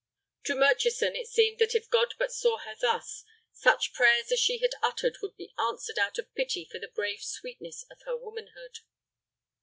To Murchison it seemed that if God but saw her thus, such prayers as she had uttered would be answered out of pity for the brave sweetness of her womanhood.